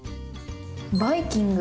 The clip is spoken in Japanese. バイキング！